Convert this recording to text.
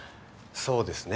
そうですね。